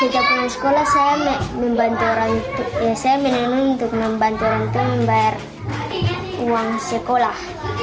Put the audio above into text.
setiap bulan sekolah saya menenun untuk membantu orang tuanya membayar uang sekolah